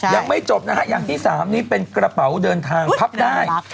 ยังไม่จบนะฮะอย่างที่๓นี้เป็นกระเป๋าเดินทางพับได้